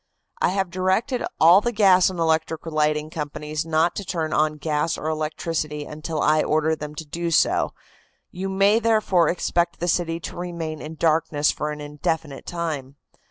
"I have directed all the gas and electric lighting companies not to turn on gas or electricity until I order them to do so. You may, therefore, expect the city to remain in darkness for an indefinite time.